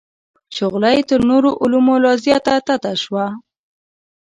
شغله یې تر نورو علومو لا زیاته تته شوه.